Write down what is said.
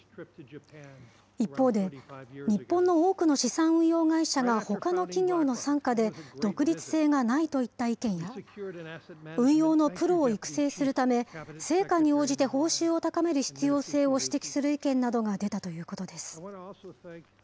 一方で、日本の多くの資産運用会社がほかの企業の傘下で独立性がないといった意見や、運用のプロを育成するため、成果に応じて報酬を高める必要性を指摘する意見などが出たということです。